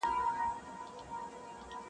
صلاحیت او مسئولیت باید یو شان و کارول سي,